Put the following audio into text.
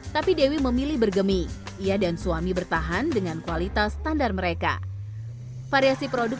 tapi dewi memilih bergemi ia dan suami bertahan dengan kualitas standar mereka variasi produk